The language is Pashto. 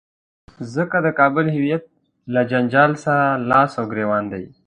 ځکه د کابل هویت له جنجال سره لاس او ګرېوان دی.